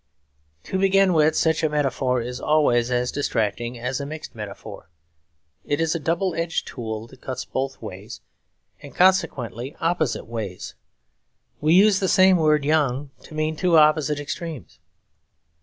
To begin with, such a metaphor is always as distracting as a mixed metaphor. It is a double edged tool that cuts both ways; and consequently opposite ways. We use the same word 'young' to mean two opposite extremes.